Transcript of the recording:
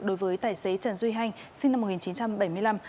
đối với tài xế trần duy hanh sinh năm một nghìn chín trăm bảy mươi năm